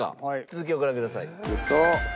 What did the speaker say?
続きをご覧ください。